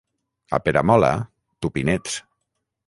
A Peramola, tupinets.